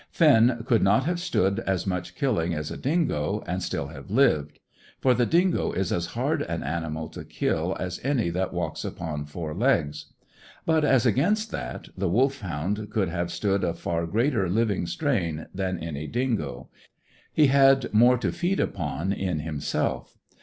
Finn could not have stood as much killing as a dingo, and still have lived; for the dingo is as hard an animal to kill as any that walks upon four legs. But, as against that, the Wolfhound could have stood a far greater living strain than any dingo. He had more to feed upon in himself.